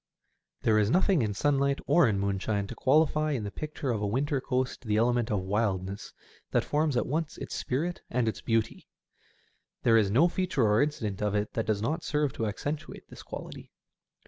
There is nothing in sunlight or in moonshine to qualify in the picture of a winter coast the element of wildness that forms at once its spirit and its beauty. There is no feature or incident of it that does not serve to accentuate this quality.